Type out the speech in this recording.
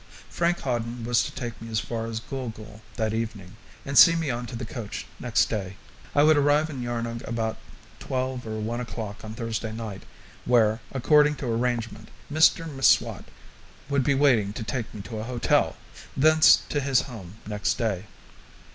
Frank Hawden was to take me as far as Gool Gool that evening, and see me on to the coach next day. I would arrive in Yarnung about twelve or one o'clock on Thursday night, where, according to arrangement, Mr M'Swat would be waiting to take me to a hotel, thence to his home next day.